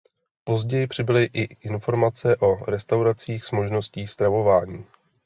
Později přibyly i informace o restauracích s možností stravování.